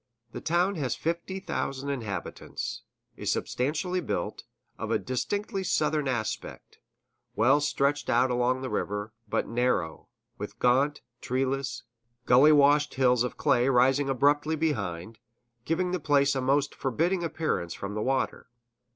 The town has fifty thousand inhabitants, is substantially built, of a distinctly Southern aspect; well stretched out along the river, but narrow; with gaunt, treeless, gully washed hills of clay rising abruptly behind, giving the place a most forbidding appearance from the water.